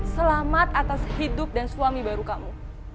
selamat atas hidup dan suami baru kamu